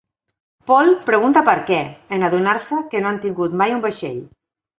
Paul pregunta per què, en adonar-se que no han tingut mai un vaixell.